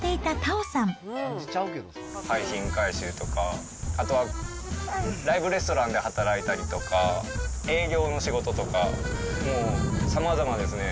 廃品回収とか、あとはライブレストランで働いたりとか、営業の仕事とか、もう、さまざまですね。